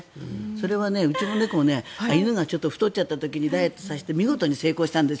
それはうちの猫も犬が太っちゃった時にダイエットさせて見事に成功したんです。